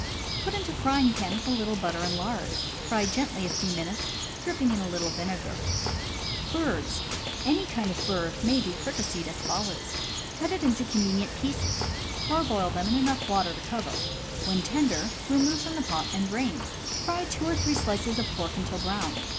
Put into frying pan with a little butter and lard. Fry gently a few minutes, dropping in a little vinegar. Any kind of bird may be fricasseed as follows: Cut it into convenient pieces, parboil them in enough water J. J to cover; when tender, remove from the pot and drain. Fry two or three slices of pork until brown.